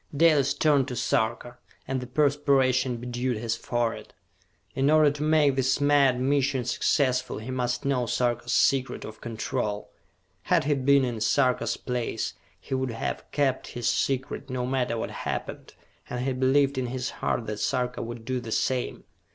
Dalis turned to Sarka, and the perspiration bedewed his forehead. In order to make this mad mission successful, he must know Sarka's secret of control. Had he been in Sarka's place, he would have kept his secret, no matter what happened, and he believed in his heart that Sarka would do the same.